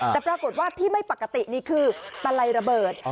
แต่ปรากฏว่าที่ไม่ปกตินี่คือตะไลระเบิด